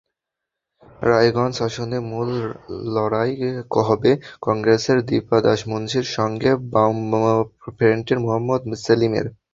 রায়গঞ্জ আসনে মূল লড়াই হবে কংগ্রেসের দীপা দাসমুন্সীর সঙ্গে বামফ্রন্টের মহম্মদ সেলিমের।